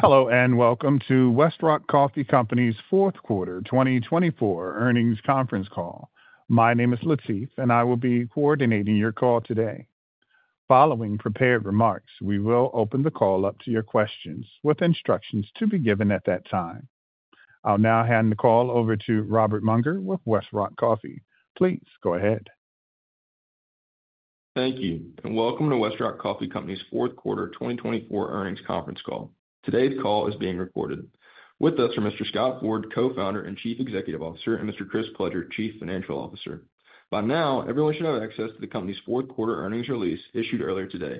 Hello and welcome to Westrock Coffee Company's Fourth Quarter 2024 Earnings Conference Call. My name is Latif, and I will be coordinating your call today. Following prepared remarks, we will open the call up to your questions with instructions to be given at that time. I'll now hand the call over to Robert Mounger with Westrock Coffee. Please go ahead. Thank you, and welcome to Westrock Coffee Company's Fourth Quarter 2024 Earnings Conference Call. Today's call is being recorded. With us are Mr. Scott Ford, Co-founder and Chief Executive Officer, and Mr. Chris Pledger, Chief Financial Officer. By now, everyone should have access to the company's Fourth Quarter earnings release issued earlier today.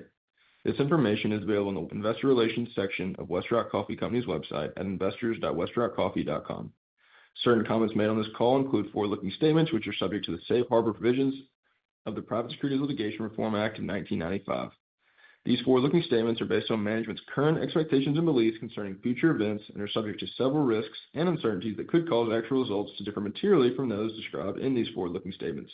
This information is available in the Investor Relations section of Westrock Coffee Company's website at investors.westrockcoffee.com. Certain comments made on this call include forward-looking statements which are subject to the Safe Harbor Provisions of the Private Securities Litigation Reform Act of 1995. These forward-looking statements are based on management's current expectations and beliefs concerning future events and are subject to several risks and uncertainties that could cause actual results to differ materially from those described in these forward-looking statements.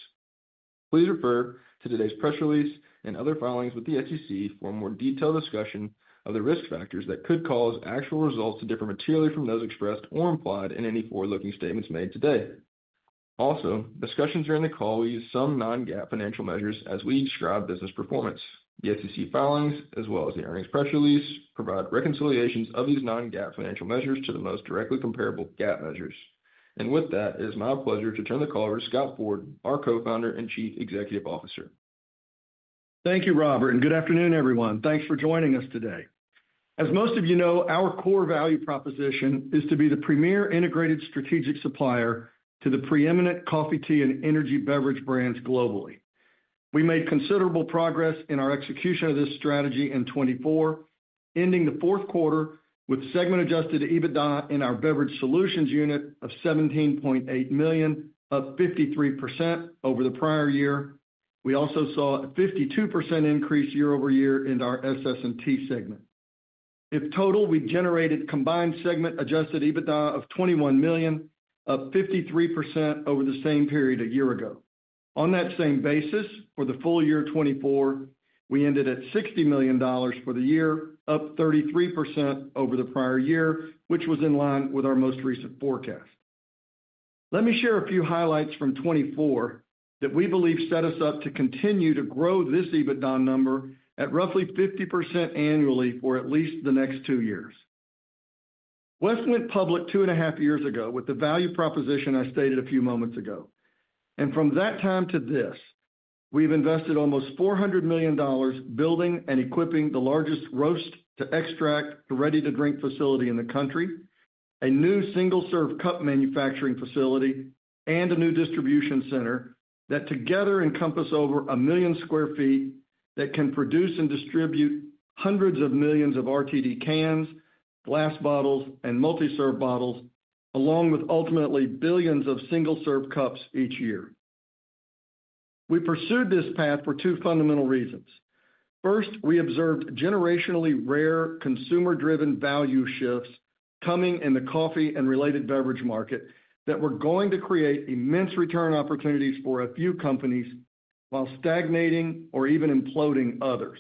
Please refer to today's press release and other filings with the SEC for a more detailed discussion of the risk factors that could cause actual results to differ materially from those expressed or implied in any forward-looking statements made today. Also, discussions during the call will use some non-GAAP financial measures as we describe business performance. The SEC filings, as well as the earnings press release, provide reconciliations of these non-GAAP financial measures to the most directly comparable GAAP measures. It is my pleasure to turn the call over to Scott Ford, our Co-founder and Chief Executive Officer. Thank you, Robert, and good afternoon, everyone. Thanks for joining us today. As most of you know, our core value proposition is to be the premier integrated strategic supplier to the preeminent coffee, tea, and energy beverage brands globally. We made considerable progress in our execution of this strategy in 2024, ending the fourth quarter with Segment Adjusted EBITDA in our Beverage Solutions unit of $17.8 million, up 53% over the prior year. We also saw a 52% increase year over year in our SS&T segment. In total, we generated combined Segment Adjusted EBITDA of $21 million, up 53% over the same period a year ago. On that same basis, for the full year 2024, we ended at $60 million for the year, up 33% over the prior year, which was in line with our most recent forecast. Let me share a few highlights from '24 that we believe set us up to continue to grow this EBITDA number at roughly 50% annually for at least the next two years. West went public two and a half years ago with the value proposition I stated a few moments ago. From that time to this, we've invested almost $400 million building and equipping the largest roast-to-extract, ready-to-drink facility in the country, a new single-serve cup manufacturing facility, and a new distribution center that together encompass over 1 million sq ft that can produce and distribute hundreds of millions of RTD cans, glass bottles, and multi-serve bottles, along with ultimately billions of single-serve cups each year. We pursued this path for two fundamental reasons. First, we observed generationally rare consumer-driven value shifts coming in the coffee and related beverage market that were going to create immense return opportunities for a few companies while stagnating or even imploding others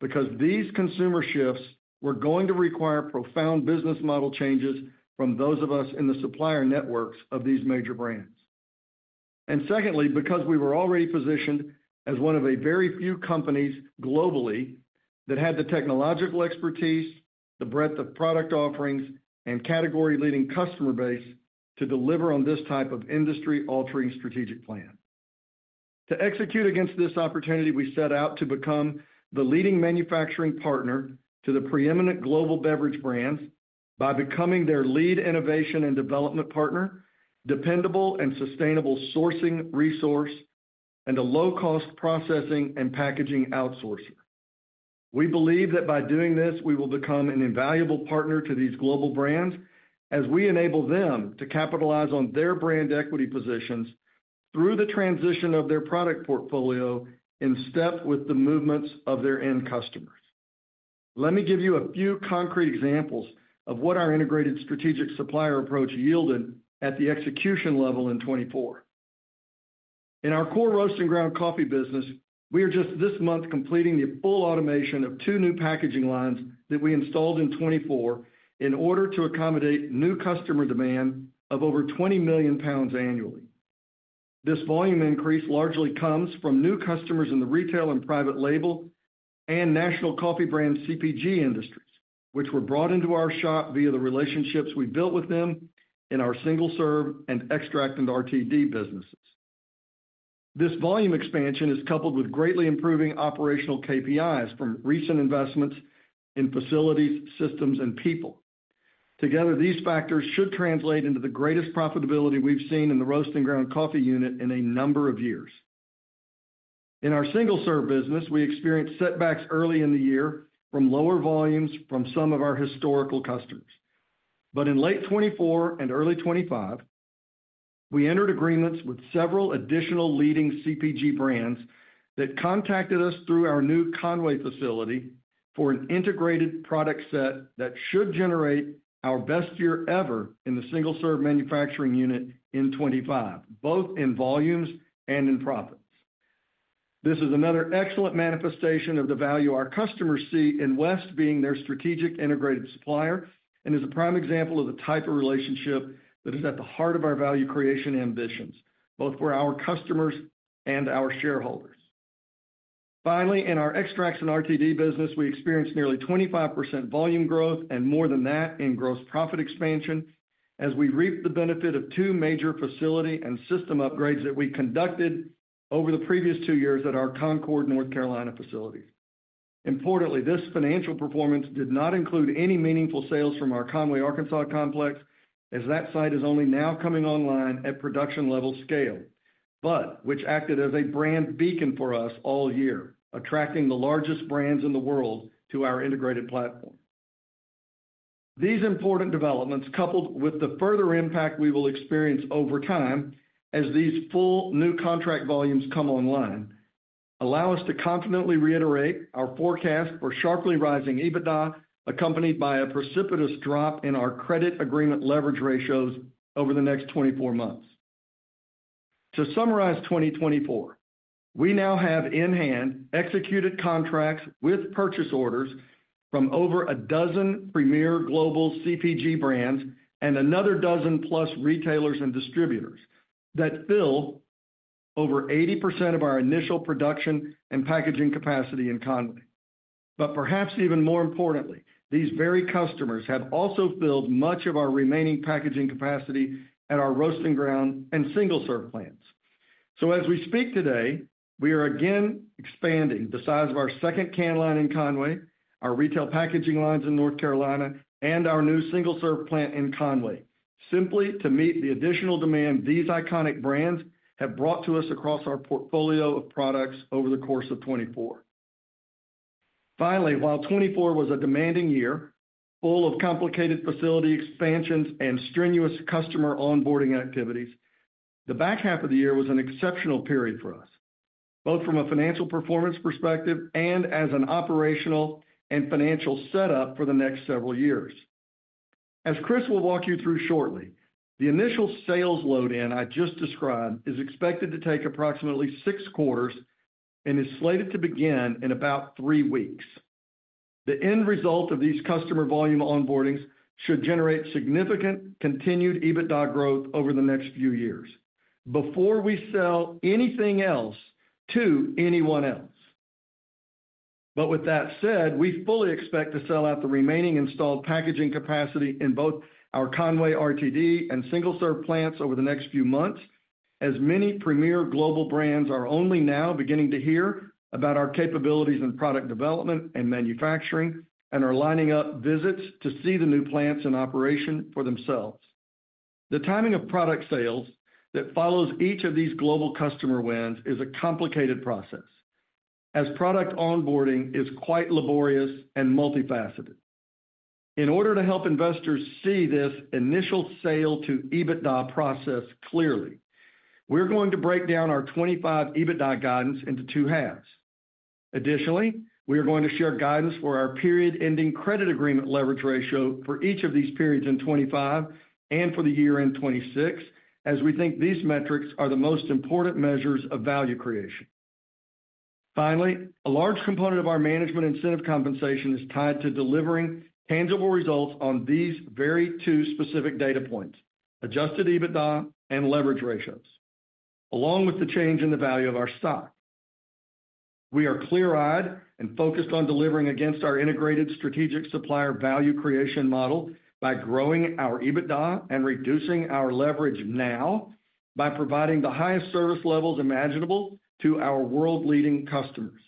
because these consumer shifts were going to require profound business model changes from those of us in the supplier networks of these major brands. Secondly, because we were already positioned as one of a very few companies globally that had the technological expertise, the breadth of product offerings, and category-leading customer base to deliver on this type of industry-altering strategic plan. To execute against this opportunity, we set out to become the leading manufacturing partner to the preeminent global beverage brands by becoming their lead innovation and development partner, dependable and sustainable sourcing resource, and a low-cost processing and packaging outsourcer. We believe that by doing this, we will become an invaluable partner to these global brands as we enable them to capitalize on their brand equity positions through the transition of their product portfolio in step with the movements of their end customers. Let me give you a few concrete examples of what our integrated strategic supplier approach yielded at the execution level in 2024. In our core roast and ground coffee business, we are just this month completing the full automation of two new packaging lines that we installed in 2024 in order to accommodate new customer demand of over $20 million annually. This volume increase largely comes from new customers in the retail and private label and national coffee brand CPG industries, which were brought into our shop via the relationships we built with them in our single-serve and extract and RTD businesses. This volume expansion is coupled with greatly improving operational KPIs from recent investments in facilities, systems, and people. Together, these factors should translate into the greatest profitability we've seen in the roast and ground coffee unit in a number of years. In our single-serve business, we experienced setbacks early in the year from lower volumes from some of our historical customers. In late 2024 and early 2025, we entered agreements with several additional leading CPG brands that contacted us through our new Conway facility for an integrated product set that should generate our best year ever in the single-serve manufacturing unit in 2025, both in volumes and in profits. This is another excellent manifestation of the value our customers see in West being their strategic integrated supplier and is a prime example of the type of relationship that is at the heart of our value creation ambitions, both for our customers and our shareholders. Finally, in our extracts and RTD business, we experienced nearly 25% volume growth and more than that in gross profit expansion as we reaped the benefit of two major facility and system upgrades that we conducted over the previous two years at our Concord, North Carolina facilities. Importantly, this financial performance did not include any meaningful sales from our Conway, Arkansas complex, as that site is only now coming online at production-level scale, but which acted as a brand beacon for us all year, attracting the largest brands in the world to our integrated platform. These important developments, coupled with the further impact we will experience over time as these full new contract volumes come online, allow us to confidently reiterate our forecast for sharply rising EBITDA, accompanied by a precipitous drop in our credit agreement leverage ratios over the next 24 months. To summarize 2024, we now have in-hand executed contracts with purchase orders from over a dozen premier global CPG brands and another dozen plus retailers and distributors that fill over 80% of our initial production and packaging capacity in Conway. Perhaps even more importantly, these very customers have also filled much of our remaining packaging capacity at our roast and ground and single-serve plants. As we speak today, we are again expanding the size of our second can line in Conway, our retail packaging lines in North Carolina, and our new single-serve plant in Conway, simply to meet the additional demand these iconic brands have brought to us across our portfolio of products over the course of 2024. Finally, while 2024 was a demanding year full of complicated facility expansions and strenuous customer onboarding activities, the back half of the year was an exceptional period for us, both from a financial performance perspective and as an operational and financial setup for the next several years. As Chris will walk you through shortly, the initial sales load-in I just described is expected to take approximately six quarters and is slated to begin in about three weeks. The end result of these customer volume onboardings should generate significant continued EBITDA growth over the next few years before we sell anything else to anyone else. With that said, we fully expect to sell out the remaining installed packaging capacity in both our Conway RTD and single-serve plants over the next few months, as many premier global brands are only now beginning to hear about our capabilities in product development and manufacturing and are lining up visits to see the new plants in operation for themselves. The timing of product sales that follows each of these global customer wins is a complicated process as product onboarding is quite laborious and multifaceted. In order to help investors see this initial sale-to-EBITDA process clearly, we're going to break down our 2025 EBITDA guidance into two halves. Additionally, we are going to share guidance for our period-ending credit agreement leverage ratio for each of these periods in 2025 and for the year in 2026, as we think these metrics are the most important measures of value creation. Finally, a large component of our management incentive compensation is tied to delivering tangible results on these very two specific data points: adjusted EBITDA and leverage ratios, along with the change in the value of our stock. We are clear-eyed and focused on delivering against our integrated strategic supplier value creation model by growing our EBITDA and reducing our leverage now by providing the highest service levels imaginable to our world-leading customers.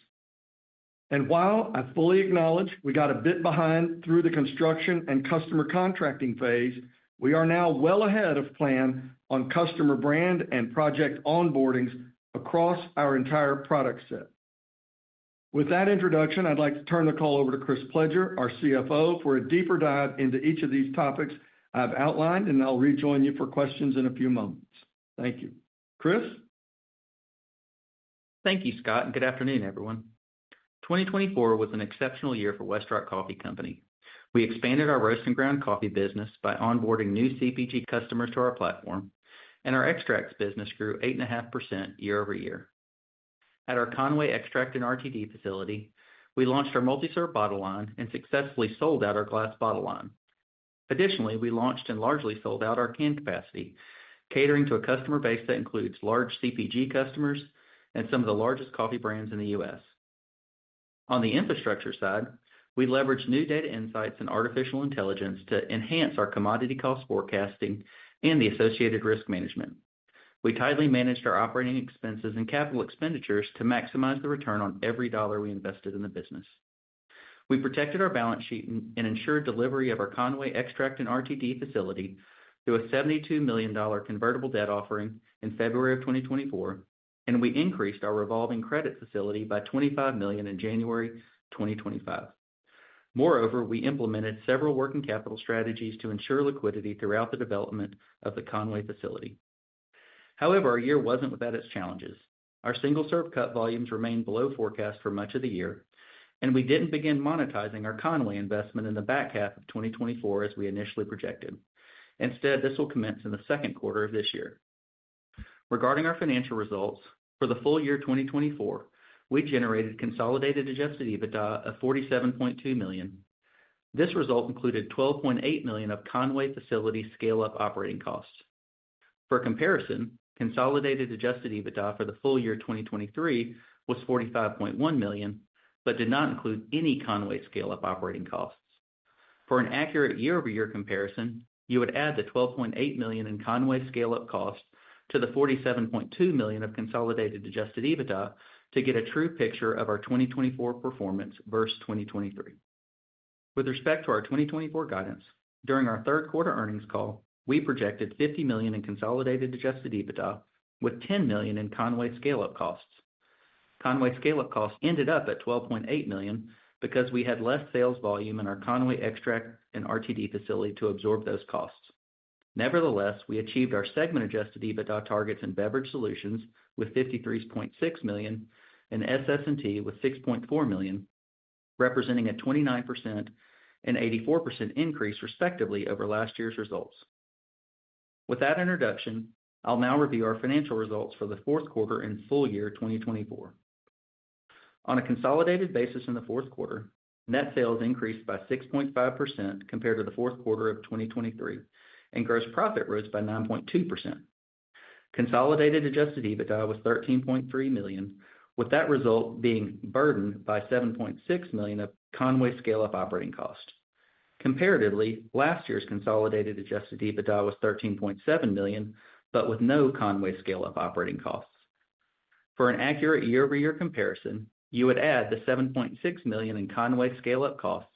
While I fully acknowledge we got a bit behind through the construction and customer contracting phase, we are now well ahead of plan on customer brand and project onboardings across our entire product set. With that introduction, I'd like to turn the call over to Chris Pledger, our CFO, for a deeper dive into each of these topics I've outlined, and I'll rejoin you for questions in a few moments. Thank you. Chris? Thank you, Scott. Good afternoon, everyone. 2024 was an exceptional year for Westrock Coffee Company. We expanded our roast and ground coffee business by onboarding new CPG customers to our platform, and our extracts business grew 8.5% year over year. At our Conway extract and RTD facility, we launched our multi-serve bottle line and successfully sold out our glass bottle line. Additionally, we launched and largely sold out our can capacity, catering to a customer base that includes large CPG customers and some of the largest coffee brands in the US. On the infrastructure side, we leveraged new data insights and artificial intelligence to enhance our commodity cost forecasting and the associated risk management. We tightly managed our operating expenses and capital expenditures to maximize the return on every dollar we invested in the business. We protected our balance sheet and ensured delivery of our Conway extract and RTD facility through a $72 million convertible debt offering in February of 2024, and we increased our revolving credit facility by $25 million in January 2025. Moreover, we implemented several working capital strategies to ensure liquidity throughout the development of the Conway facility. However, our year was not without its challenges. Our single-serve cup volumes remained below forecast for much of the year, and we did not begin monetizing our Conway investment in the back half of 2024 as we initially projected. Instead, this will commence in the second quarter of this year. Regarding our financial results, for the full year 2024, we generated consolidated adjusted EBITDA of $47.2 million. This result included $12.8 million of Conway facility scale-up operating costs. For comparison, consolidated adjusted EBITDA for the full year 2023 was $45.1 million, but did not include any Conway scale-up operating costs. For an accurate year-over-year comparison, you would add the $12.8 million in Conway scale-up cost to the $47.2 million of consolidated adjusted EBITDA to get a true picture of our 2024 performance versus 2023. With respect to our 2024 guidance, during our third quarter earnings call, we projected $50 million in consolidated adjusted EBITDA with $10 million in Conway scale-up costs. Conway scale-up costs ended up at $12.8 million because we had less sales volume in our Conway extract and RTD facility to absorb those costs. Nevertheless, we achieved our Segment Adjusted EBITDA targets in Beverage Solutions with $53.6 million and SS&T with $6.4 million, representing a 29% and 84% increase respectively over last year's results. With that introduction, I'll now review our financial results for the fourth quarter and full year 2024. On a consolidated basis in the fourth quarter, net sales increased by 6.5% compared to the fourth quarter of 2023, and gross profit rose by 9.2%. Consolidated adjusted EBITDA was $13.3 million, with that result being burdened by $7.6 million of Conway scale-up operating cost. Comparatively, last year's consolidated adjusted EBITDA was $13.7 million, but with no Conway scale-up operating costs. For an accurate year-over-year comparison, you would add the $7.6 million in Conway scale-up costs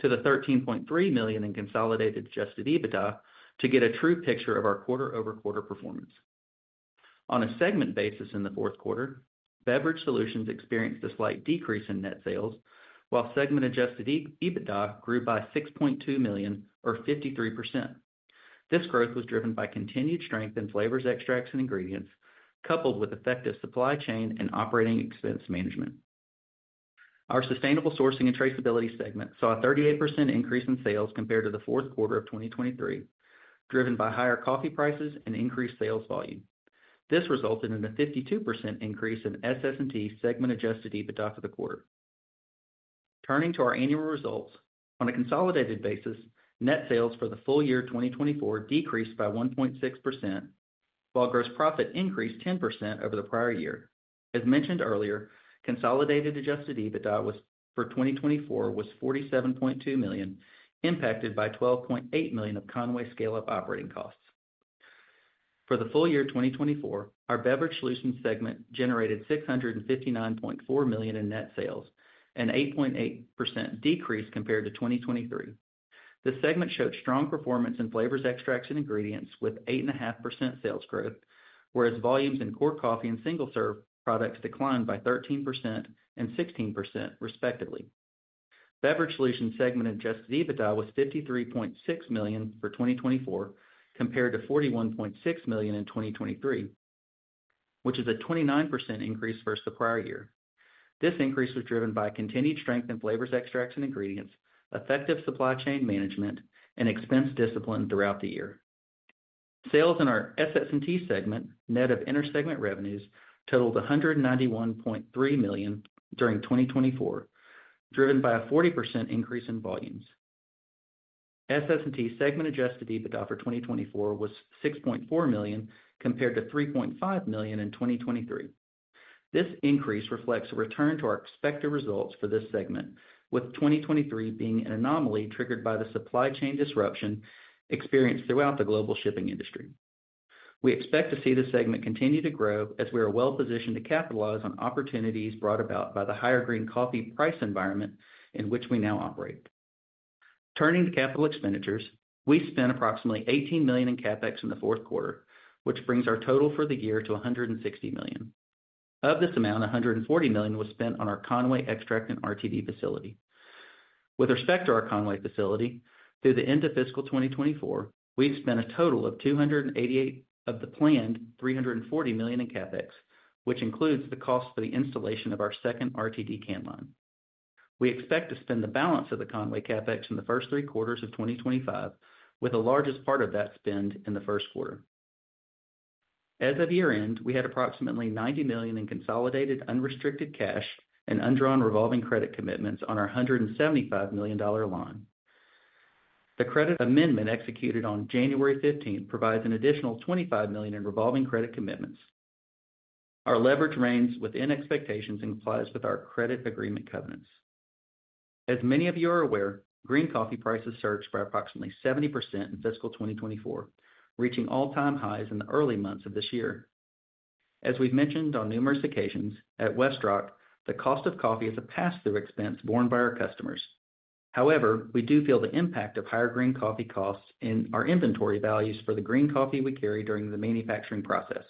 to the $13.3 million in consolidated adjusted EBITDA to get a true picture of our quarter-over-quarter performance. On a segment basis in the fourth quarter, Beverage Solutions experienced a slight decrease in net sales, while Segment Adjusted EBITDA grew by $6.2 million, or 53%. This growth was driven by continued strength in flavors, extracts, and ingredients, coupled with effective supply chain and operating expense management. Our Sustainable Sourcing and Traceability segment saw a 38% increase in sales compared to the fourth quarter of 2023, driven by higher coffee prices and increased sales volume. This resulted in a 52% increase in SS&T Segment Adjusted EBITDA for the quarter. Turning to our annual results, on a consolidated basis, net sales for the full year 2024 decreased by 1.6%, while gross profit increased 10% over the prior year. As mentioned earlier, consolidated adjusted EBITDA for 2024 was $47.2 million, impacted by $12.8 million of Conway scale-up operating costs. For the full year 2024, our Beverage Solutions segment generated $659.4 million in net sales, an 8.8% decrease compared to 2023. The segment showed strong performance in flavors, extracts, and ingredients with 8.5% sales growth, whereas volumes in core coffee and single-serve products declined by 13% and 16%, respectively. Beverage Solutions Segment Adjusted EBITDA was $53.6 million for 2024 compared to $41.6 million in 2023, which is a 29% increase versus the prior year. This increase was driven by continued strength in flavors, extracts, and ingredients, effective supply chain management, and expense discipline throughout the year. Sales in our SS&T segment, net of inter-segment revenues, totaled $191.3 million during 2024, driven by a 40% increase in volumes. SS&T Segment Adjusted EBITDA for 2024 was $6.4 million compared to $3.5 million in 2023. This increase reflects a return to our expected results for this segment, with 2023 being an anomaly triggered by the supply chain disruption experienced throughout the global shipping industry. We expect to see the segment continue to grow as we are well-positioned to capitalize on opportunities brought about by the higher green coffee price environment in which we now operate. Turning to capital expenditures, we spent approximately $18 million in CapEx in the fourth quarter, which brings our total for the year to $160 million. Of this amount, $140 million was spent on our Conway extract and RTD facility. With respect to our Conway facility, through the end of fiscal 2024, we spent a total of $288 million of the planned $340 million in CapEx, which includes the cost for the installation of our second RTD can line. We expect to spend the balance of the Conway CapEx in the first three quarters of 2025, with the largest part of that spend in the first quarter. As of year-end, we had approximately $90 million in consolidated unrestricted cash and undrawn revolving credit commitments on our $175 million line. The credit amendment executed on January 15 provides an additional $25 million in revolving credit commitments. Our leverage remains within expectations and complies with our credit agreement covenants. As many of you are aware, green coffee prices surged by approximately 70% in fiscal 2024, reaching all-time highs in the early months of this year. As we've mentioned on numerous occasions, at Westrock, the cost of coffee is a pass-through expense borne by our customers. However, we do feel the impact of higher green coffee costs in our inventory values for the green coffee we carry during the manufacturing process.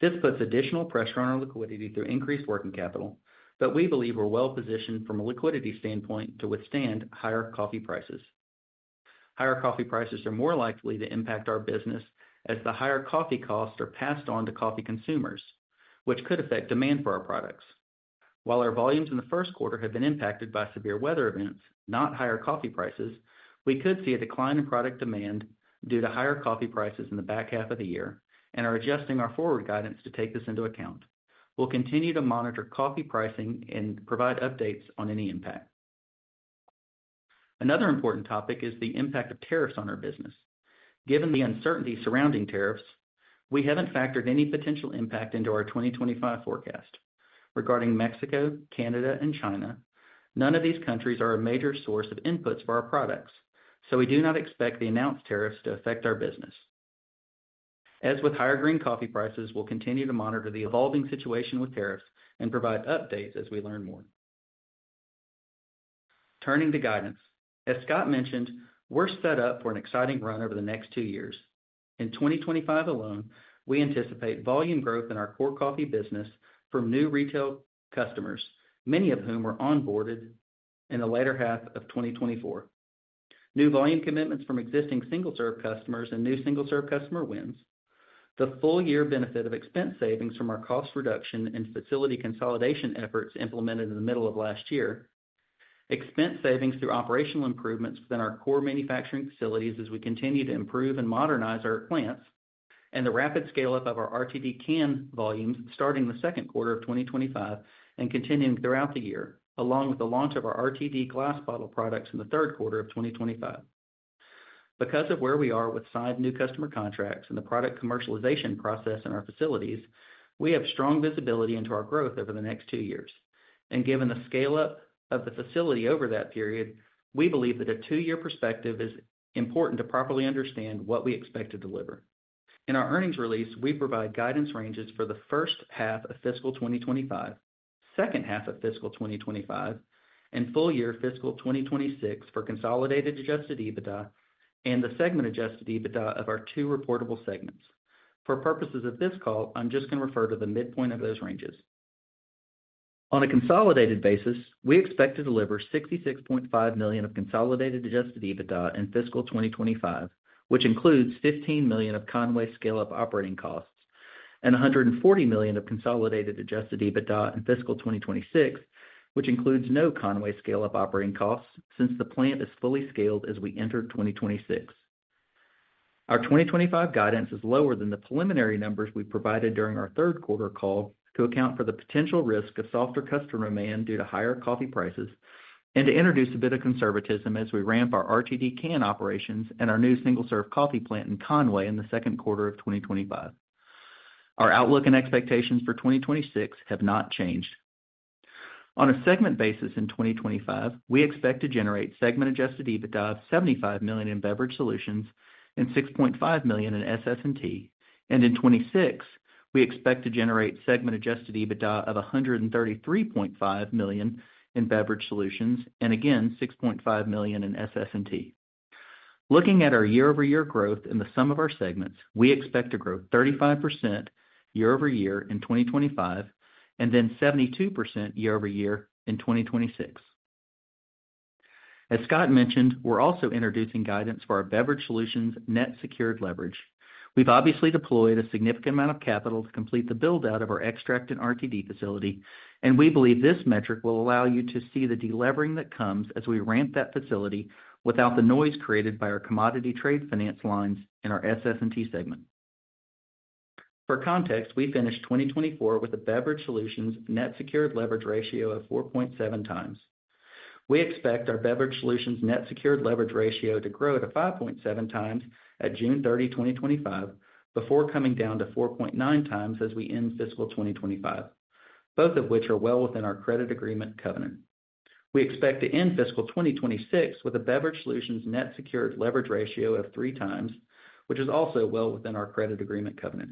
This puts additional pressure on our liquidity through increased working capital, but we believe we're well-positioned from a liquidity standpoint to withstand higher coffee prices. Higher coffee prices are more likely to impact our business as the higher coffee costs are passed on to coffee consumers, which could affect demand for our products. While our volumes in the first quarter have been impacted by severe weather events, not higher coffee prices, we could see a decline in product demand due to higher coffee prices in the back half of the year, and are adjusting our forward guidance to take this into account. We'll continue to monitor coffee pricing and provide updates on any impact. Another important topic is the impact of tariffs on our business. Given the uncertainty surrounding tariffs, we haven't factored any potential impact into our 2025 forecast. Regarding Mexico, Canada, and China, none of these countries are a major source of inputs for our products, so we do not expect the announced tariffs to affect our business. As with higher green coffee prices, we'll continue to monitor the evolving situation with tariffs and provide updates as we learn more. Turning to guidance, as Scott mentioned, we're set up for an exciting run over the next two years. In 2025 alone, we anticipate volume growth in our core coffee business from new retail customers, many of whom were onboarded in the later half of 2024. New volume commitments from existing single-serve customers and new single-serve customer wins, the full-year benefit of expense savings from our cost reduction and facility consolidation efforts implemented in the middle of last year, expense savings through operational improvements within our core manufacturing facilities as we continue to improve and modernize our plants, and the rapid scale-up of our RTD can volumes starting the second quarter of 2025 and continuing throughout the year, along with the launch of our RTD glass bottle products in the third quarter of 2025. Because of where we are with signed new customer contracts and the product commercialization process in our facilities, we have strong visibility into our growth over the next two years. Given the scale-up of the facility over that period, we believe that a two-year perspective is important to properly understand what we expect to deliver. In our earnings release, we provide guidance ranges for the first half of fiscal 2025, second half of fiscal 2025, and full year fiscal 2026 for consolidated adjusted EBITDA and the Segment Adjusted EBITDA of our two reportable segments. For purposes of this call, I'm just going to refer to the midpoint of those ranges. On a consolidated basis, we expect to deliver $66.5 million of consolidated adjusted EBITDA in fiscal 2025, which includes $15 million of Conway scale-up operating costs and $140 million of consolidated adjusted EBITDA in fiscal 2026, which includes no Conway scale-up operating costs since the plant is fully scaled as we enter 2026. Our 2025 guidance is lower than the preliminary numbers we provided during our third quarter call to account for the potential risk of softer customer demand due to higher coffee prices and to introduce a bit of conservatism as we ramp our RTD can operations and our new single-serve coffee plant in Conway in the second quarter of 2025. Our outlook and expectations for 2026 have not changed. On a segment basis in 2025, we expect to generate Segment Adjusted EBITDA of $75 million in Beverage Solutions and $6.5 million in SS&T. In 2026, we expect to generate Segment Adjusted EBITDA of $133.5 million in Beverage Solutions and again $6.5 million in SS&T. Looking at our year-over-year growth in the sum of our segments, we expect to grow 35% year-over-year in 2025 and then 72% year-over-year in 2026. As Scott mentioned, we're also introducing guidance for our Beverage Solutions net secured leverage. We've obviously deployed a significant amount of capital to complete the build-out of our extract and RTD facility, and we believe this metric will allow you to see the delevering that comes as we ramp that facility without the noise created by our commodity trade finance lines in our SS&T segment. For context, we finished 2024 with a Beverage Solutions net secured leverage ratio of 4.7 times. We expect our Beverage Solutions net secured leverage ratio to grow to 5.7 times at June 30, 2025, before coming down to 4.9 times as we end fiscal 2025, both of which are well within our credit agreement covenant. We expect to end fiscal 2026 with a Beverage Solutions net secured leverage ratio of 3 times, which is also well within our credit agreement covenant.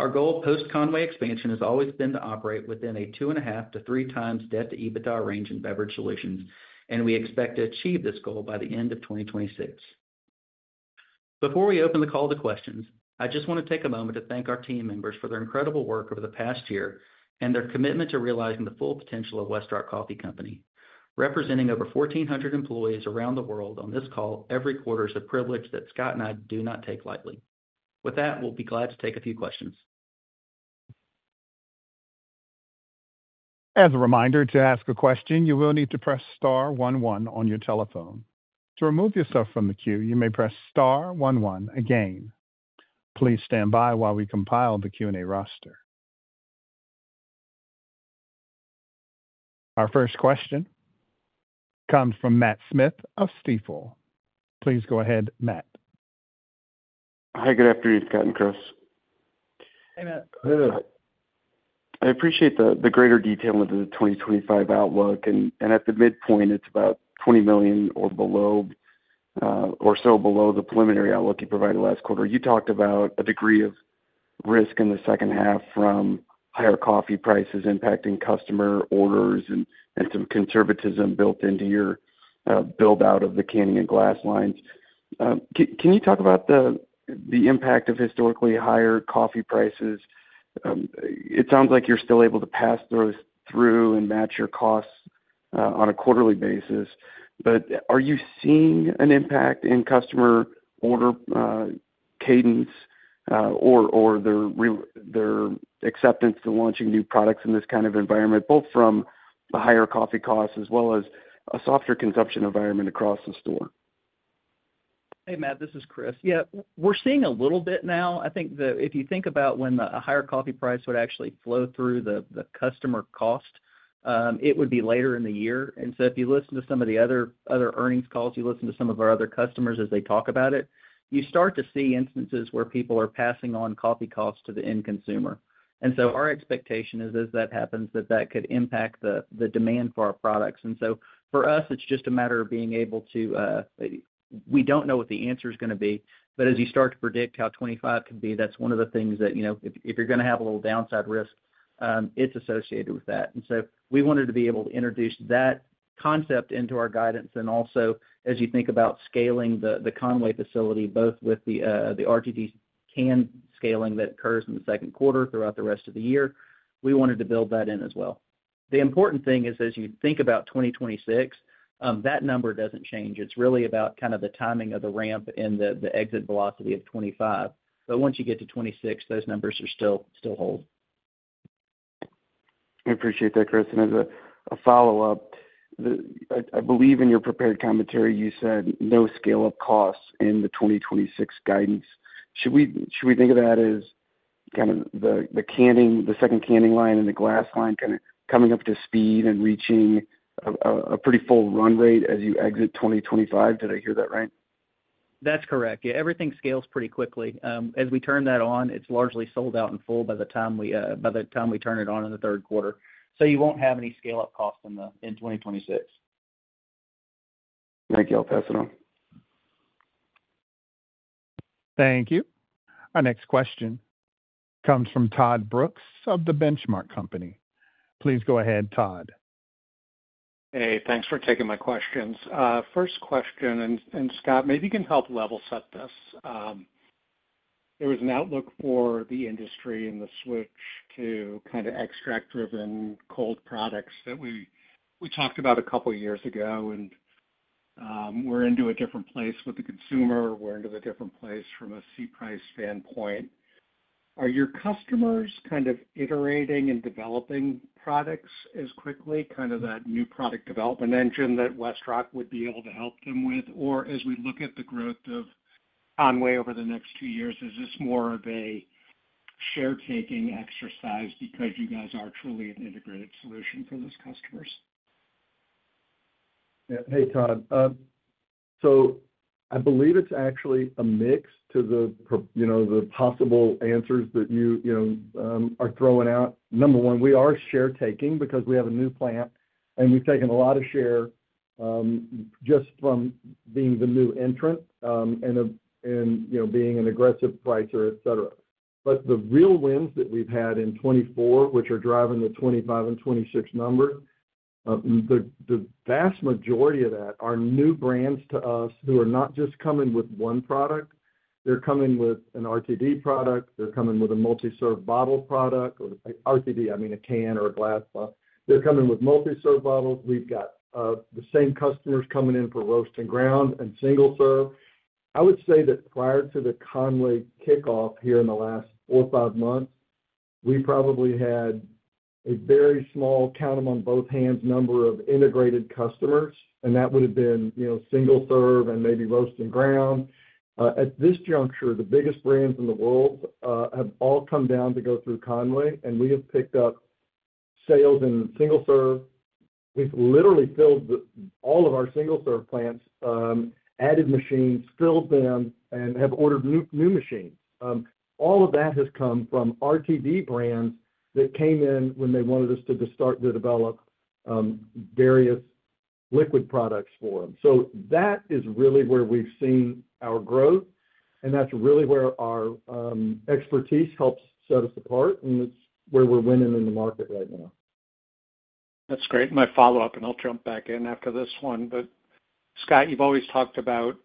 Our goal post-Conway expansion has always been to operate within a 2.5-3 times debt-to-EBITDA range in Beverage Solutions, and we expect to achieve this goal by the end of 2026. Before we open the call to questions, I just want to take a moment to thank our team members for their incredible work over the past year and their commitment to realizing the full potential of Westrock Coffee Company. Representing over 1,400 employees around the world on this call every quarter is a privilege that Scott and I do not take lightly. With that, we'll be glad to take a few questions. As a reminder to ask a question, you will need to press star one one on your telephone. To remove yourself from the queue, you may press star one one again. Please stand by while we compile the Q&A roster. Our first question comes from Matt Smith of Stifel. Please go ahead, Matt. Hi, good afternoon, Scott and Chris. Hey, Matt. I appreciate the greater detail into the 2025 outlook. At the midpoint, it's about $20 million or so below the preliminary outlook you provided last quarter. You talked about a degree of risk in the second half from higher coffee prices impacting customer orders and some conservatism built into your build-out of the can and glass lines. Can you talk about the impact of historically higher coffee prices? It sounds like you're still able to pass those through and match your costs on a quarterly basis. Are you seeing an impact in customer order cadence or their acceptance to launching new products in this kind of environment, both from the higher coffee costs as well as a softer consumption environment across the store? Hey, Matt, this is Chris. Yeah, we're seeing a little bit now. I think if you think about when a higher coffee price would actually flow through the customer cost, it would be later in the year. If you listen to some of the other earnings calls, you listen to some of our other customers as they talk about it, you start to see instances where people are passing on coffee costs to the end consumer. Our expectation is, as that happens, that that could impact the demand for our products. For us, it's just a matter of being able to—we don't know what the answer is going to be, but as you start to predict how 2025 can be, that's one of the things that, if you're going to have a little downside risk, it's associated with that. We wanted to be able to introduce that concept into our guidance. Also, as you think about scaling the Conway facility, both with the RTD can scaling that occurs in the second quarter throughout the rest of the year, we wanted to build that in as well. The important thing is, as you think about 2026, that number does not change. It is really about kind of the timing of the ramp and the exit velocity of 2025. Once you get to 2026, those numbers still hold. I appreciate that, Chris. As a follow-up, I believe in your prepared commentary, you said no scale-up costs in the 2026 guidance. Should we think of that as kind of the second canning line and the glass line coming up to speed and reaching a pretty full run rate as you exit 2025? Did I hear that right? That is correct. Yeah, everything scales pretty quickly. As we turn that on, it's largely sold out in full by the time we turn it on in the third quarter. You won't have any scale-up costs in 2026. Thank you, I'll pass it on. Thank you. Our next question comes from Todd Brooks of the Benchmark Company. Please go ahead, Todd. Hey, thanks for taking my questions. First question, and Scott, maybe you can help level set this. There was an outlook for the industry and the switch to kind of extract-driven cold products that we talked about a couple of years ago. We're into a different place with the consumer. We're into a different place from a C-price standpoint. Are your customers kind of iterating and developing products as quickly, kind of that new product development engine that Westrock would be able to help them with? Or as we look at the growth of Conway over the next two years, is this more of a share-taking exercise because you guys are truly an integrated solution for those customers? Hey, Todd. I believe it's actually a mix to the possible answers that you are throwing out. Number one, we are share-taking because we have a new plant, and we've taken a lot of share just from being the new entrant and being an aggressive pricer, etc. The real wins that we've had in 2024, which are driving the 2025 and 2026 numbers, the vast majority of that are new brands to us who are not just coming with one product. They're coming with an RTD product. They're coming with a multi-serve bottle product. RTD, I mean a can or a glass bottle. They're coming with multi-serve bottles. We've got the same customers coming in for roast and ground and single serve. I would say that prior to the Conway kickoff here in the last four or five months, we probably had a very small count-them-on-both-hands number of integrated customers, and that would have been single serve and maybe roast and ground. At this juncture, the biggest brands in the world have all come down to go through Conway, and we have picked up sales in single serve. We've literally filled all of our single serve plants, added machines, filled them, and have ordered new machines. All of that has come from RTD brands that came in when they wanted us to start to develop various liquid products for them. That is really where we've seen our growth, and that's really where our expertise helps set us apart, and it's where we're winning in the market right now. That's great. My follow-up, and I'll jump back in after this one. Scott, you've always talked about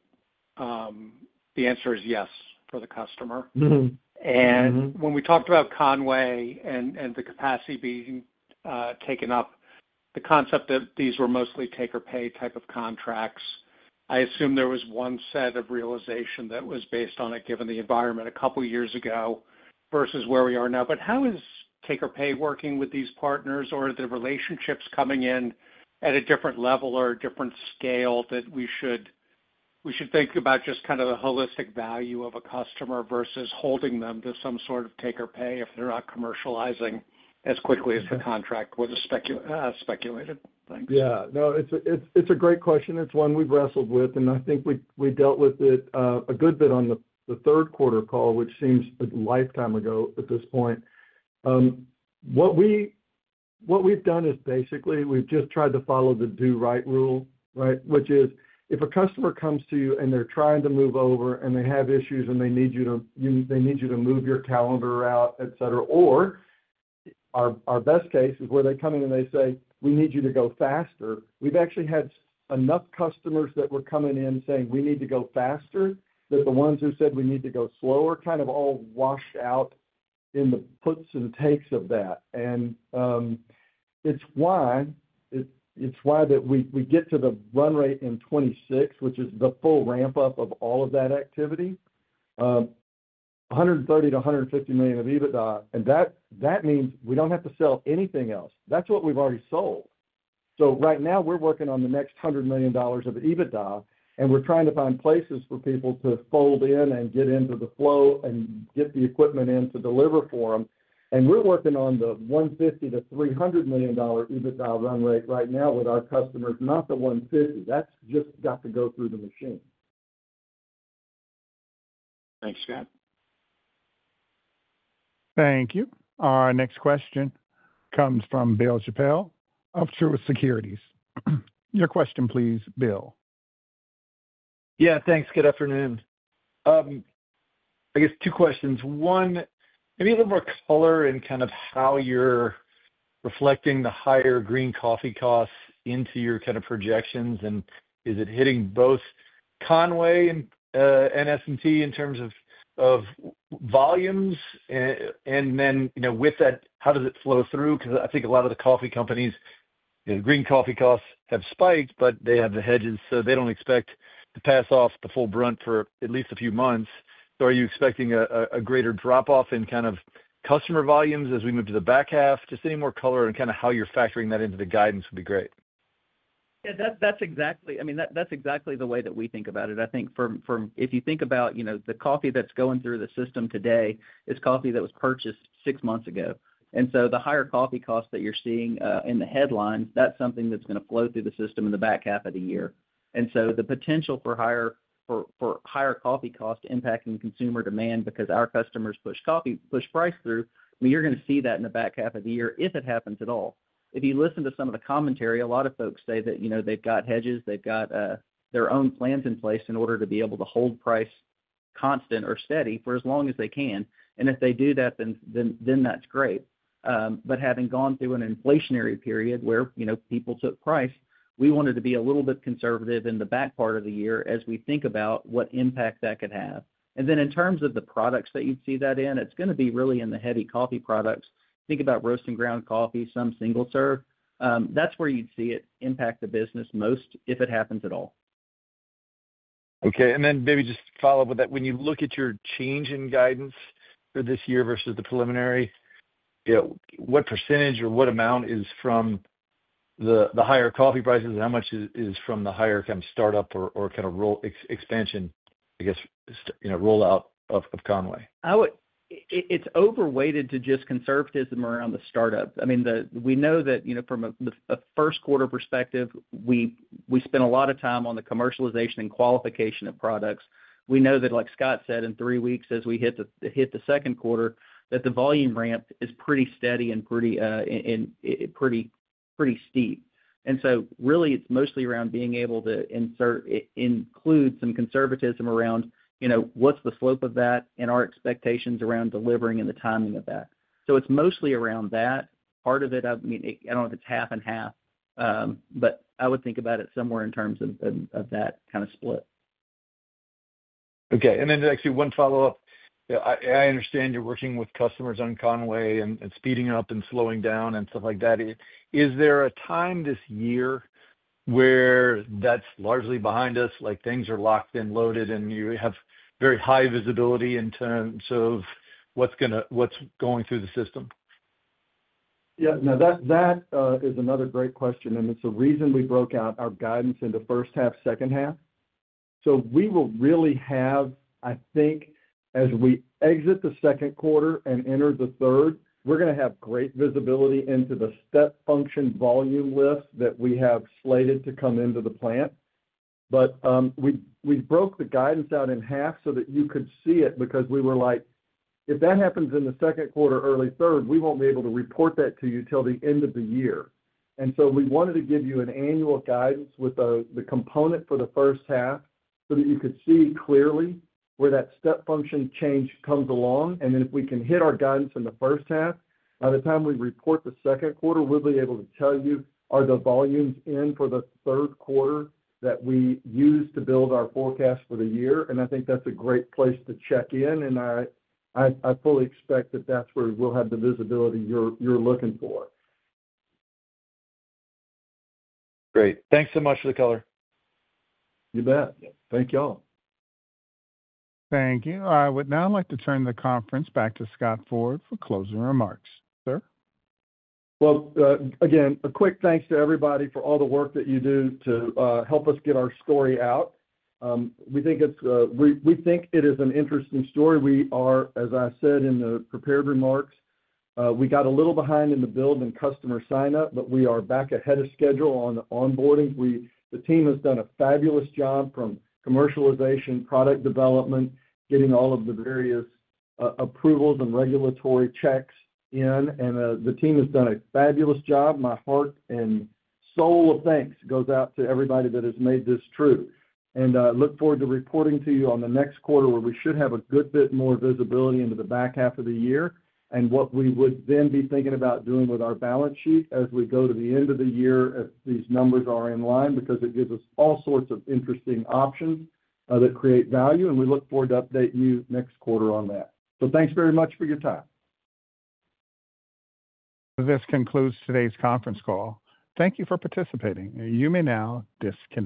the answer is yes for the customer. When we talked about Conway and the capacity being taken up, the concept that these were mostly take-or-pay type of contracts, I assume there was one set of realization that was based on it given the environment a couple of years ago versus where we are now. How is take-or-pay working with these partners, or are the relationships coming in at a different level or a different scale that we should think about just kind of the holistic value of a customer versus holding them to some sort of take-or-pay if they're not commercializing as quickly as the contract was speculated? Thanks. Yeah. No, it's a great question. It's one we've wrestled with, and I think we dealt with it a good bit on the third quarter call, which seems a lifetime ago at this point. What we've done is basically we've just tried to follow the do-right rule, right? Which is if a customer comes to you and they're trying to move over and they have issues and they need you to move your calendar route, etc., or our best case is where they come in and they say, "We need you to go faster." We've actually had enough customers that were coming in saying, "We need to go faster," that the ones who said, "We need to go slower," kind of all washed out in the puts and takes of that. It is why that we get to the run rate in 2026, which is the full ramp-up of all of that activity, $130-$150 million of EBITDA. That means we do not have to sell anything else. That is what we have already sold. Right now, we're working on the next $100 million of EBITDA, and we're trying to find places for people to fold in and get into the flow and get the equipment in to deliver for them. We're working on the $150-$300 million EBITDA run rate right now with our customers, not the $150. That's just got to go through the machine. Thanks, Scott. Thank you. Our next question comes from Bill Chappell of Truist Securities. Your question, please, Bill. Yeah, thanks. Good afternoon. I guess two questions. One, maybe a little more color in kind of how you're reflecting the higher green coffee costs into your kind of projections. Is it hitting both Conway and SS&T in terms of volumes? With that, how does it flow through? Because I think a lot of the coffee companies, the green coffee costs have spiked, but they have the hedges, so they do not expect to pass off the full brunt for at least a few months. Are you expecting a greater drop-off in kind of customer volumes as we move to the back half? Just any more color in kind of how you are factoring that into the guidance would be great. Yeah, that is exactly—I mean, that is exactly the way that we think about it. I think if you think about the coffee that is going through the system today, it is coffee that was purchased six months ago. The higher coffee costs that you are seeing in the headlines, that is something that is going to flow through the system in the back half of the year. The potential for higher coffee costs impacting consumer demand because our customers push price through, I mean, you're going to see that in the back half of the year if it happens at all. If you listen to some of the commentary, a lot of folks say that they've got hedges, they've got their own plans in place in order to be able to hold price constant or steady for as long as they can. If they do that, then that's great. Having gone through an inflationary period where people took price, we wanted to be a little bit conservative in the back part of the year as we think about what impact that could have. In terms of the products that you'd see that in, it's going to be really in the heavy coffee products. Think about roast and ground coffee, some single serve. That's where you'd see it impact the business most if it happens at all. Okay. Maybe just follow up with that. When you look at your change in guidance for this year versus the preliminary, what percentage or what amount is from the higher coffee prices and how much is from the higher kind of startup or kind of expansion, I guess, rollout of Conway? It's overweighted to just conservatism around the startup. I mean, we know that from a first quarter perspective, we spent a lot of time on the commercialization and qualification of products. We know that, like Scott said, in three weeks as we hit the second quarter, that the volume ramp is pretty steady and pretty steep. It is mostly around being able to include some conservatism around what is the slope of that and our expectations around delivering and the timing of that. It is mostly around that. Part of it, I mean, I do not know if it is half and half, but I would think about it somewhere in terms of that kind of split. Okay. Actually, one follow-up. I understand you are working with customers on Conway and speeding up and slowing down and stuff like that. Is there a time this year where that is largely behind us, like things are locked and loaded and you have very high visibility in terms of what is going through the system? Yeah. No, that is another great question. It is the reason we broke out our guidance into first half, second half. We will really have, I think, as we exit the second quarter and enter the third, we're going to have great visibility into the step function volume lifts that we have slated to come into the plant. We broke the guidance out in half so that you could see it because we were like, "If that happens in the second quarter, early third, we won't be able to report that to you till the end of the year." We wanted to give you an annual guidance with the component for the first half so that you could see clearly where that step function change comes along. If we can hit our guidance in the first half, by the time we report the second quarter, we'll be able to tell you, "Are the volumes in for the third quarter that we used to build our forecast for the year?" I think that's a great place to check in. I fully expect that that's where we'll have the visibility you're looking for. Great. Thanks so much, Chris Pledger. You bet. Thank y'all. Thank you. All right. Now I'd like to turn the conference back to Scott Ford for closing remarks. Sir? Again, a quick thanks to everybody for all the work that you do to help us get our story out. We think it is an interesting story. We are, as I said in the prepared remarks, we got a little behind in the build and customer sign-up, but we are back ahead of schedule on the onboarding. The team has done a fabulous job from commercialization, product development, getting all of the various approvals and regulatory checks in. The team has done a fabulous job. My heart and soul of thanks goes out to everybody that has made this true. I look forward to reporting to you on the next quarter where we should have a good bit more visibility into the back half of the year and what we would then be thinking about doing with our balance sheet as we go to the end of the year if these numbers are in line because it gives us all sorts of interesting options that create value. We look forward to updating you next quarter on that. Thanks very much for your time. This concludes today's conference call. Thank you for participating. You may now disconnect.